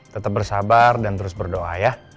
tetap bersabar dan terus berdoa ya